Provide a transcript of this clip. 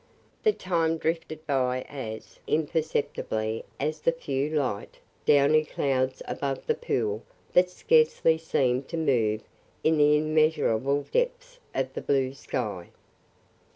The time drifted by as imperceptibly as the few light, downy clouds above the pool that scarcely seemed to move in the immeasurable depths of the blue sky.